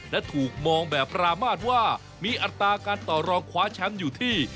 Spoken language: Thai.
และถูกมองแบบรามาศว่ามีอัตราการต่อรองคว้าแชมป์อยู่ที่